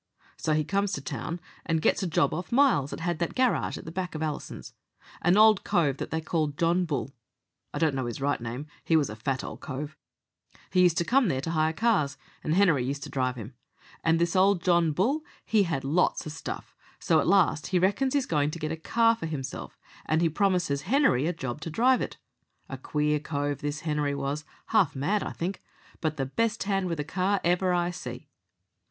"So he comes to town and gets a job off Miles that had that garage at the back of Allison's. An old cove that they called John Bull I don't know his right name, he was a fat old cove he used to come there to hire cars, and Henery used to drive him. And this old John Bull he had lots of stuff, so at last he reckons he's going to get a car for himself, and he promises Henery a job to drive it. A queer cove this Henery was half mad, I think, but the best hand with a car ever I see."